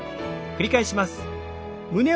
繰り返します。